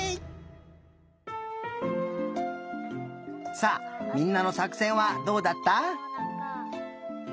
さあみんなのさくせんはどうだった？